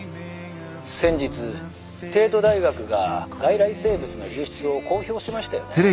「先日帝都大学が外来生物の流出を公表しましたよね。